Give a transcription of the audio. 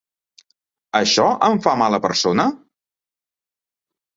Això em fa mala persona?